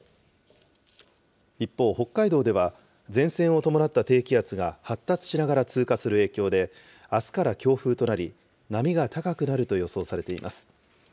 一方、北海道では、前線を伴った低気圧が発達しながら通過する影響で、あすから強風となり、波が高くなると予想されています。